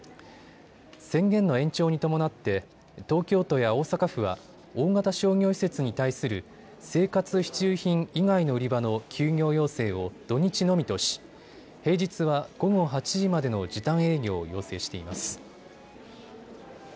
宣言の延長に伴って東京都や大阪府は大型商業施設に対する生活必需品以外の売り場の休業要請を土日のみとし、平日は午後８時までの時短営業を要請しています。